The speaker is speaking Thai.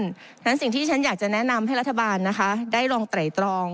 เพราะฉะนั้นสิ่งที่ฉันอยากจะแนะนำให้รัฐบาลนะคะได้ลองไตรตรอง